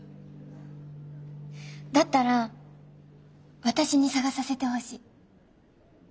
だったら私に探させてほしい。